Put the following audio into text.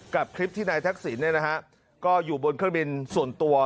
กับคลิปที่นายทักษิณเนี่ยนะฮะก็อยู่บนเครื่องบินส่วนตัว